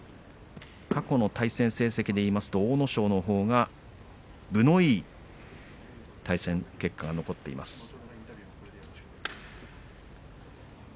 過去の対戦成績でいいますと阿武咲のほうが分のいい対戦結果が残っています。